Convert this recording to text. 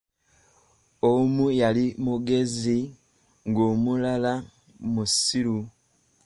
Omu yali mugezi, ng'omulala musiru.